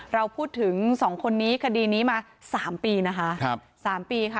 เราพูดถึงสองคนนี้คดีนี้มาสามปีนะคะครับสามปีค่ะ